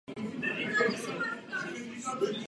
Památka je založena kamenným stupněm.